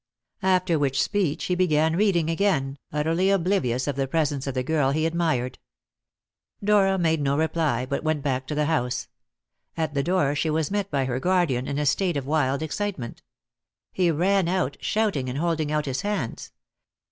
After which speech he began reading again, utterly oblivious of the presence of the girl he admired. Dora made no reply, but went back to the house. At the door she was met by her guardian in a state of wild excitement. He ran out, shouting and holding out his hands.